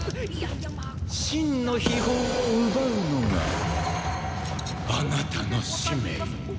真の秘宝を奪うのがあなたの使命。